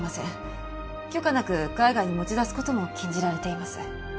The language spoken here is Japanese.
許可なく海外に持ち出す事も禁じられています。